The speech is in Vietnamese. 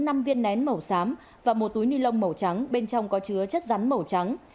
có chứa năm viên nén màu xám và một túi nilon màu trắng bên trong có chứa chất rắn màu trắng